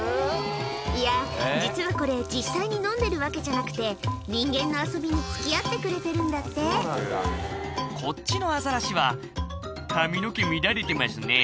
いや実はこれ実際に飲んでるわけじゃなくて人間の遊びに付き合ってくれてるんだってこっちのアザラシは「髪の毛乱れてますね